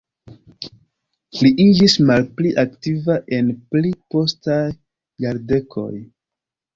Li iĝis malpli aktiva en pli postaj jardekoj.